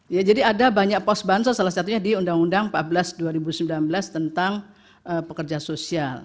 ya jadi ada banyak pos bansos salah satunya di undang undang empat belas dua ribu sembilan belas tentang pekerja sosial